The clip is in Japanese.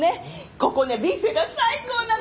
ここねビュッフェが最高なの。